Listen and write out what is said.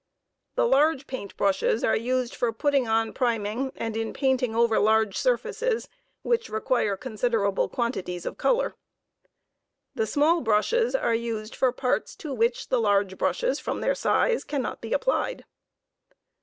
.. The large paint brushes are used for putting on priming and in painting over large surfaces, which require considerable quantities of color. The small brushes are used for parts to which the large brushes, from their size, cannot be applied.